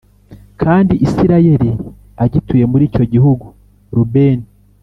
Kandi Isirayeli agituye muri icyo gihugu Rubeni